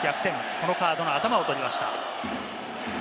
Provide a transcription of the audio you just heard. このカードの頭を取りました。